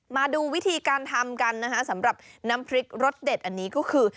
มาดูวิธีการทำกันนะคะสำหรับน้ำพริกรสเด็ดอันนี้ก็คือ